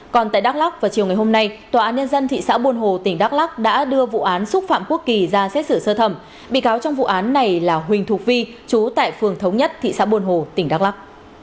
còn tại đắk lắk vào chiều ngày hôm nay tòa án nhân dân thị xã buồn hồ tỉnh đắk lắk đã đưa vụ án xúc phạm quốc kỳ ra xét xử sơ thẩm bị cáo trong vụ án này là huỳnh thục vi chú tại phường thống nhất thị xã buồn hồ tỉnh đắk lắk